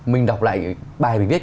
mình đọc lại bài mình viết